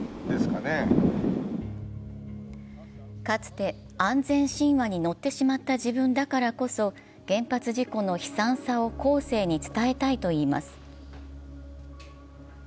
かつて安全神話に乗ってしまった自分だからこそ原発事故の悲惨さを後世に伝えたいといいます。